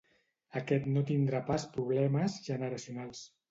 Aquest no tindrà pas problemes generacionals.